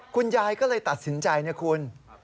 คุณยายก็เลยตัดสินใจนะคุณ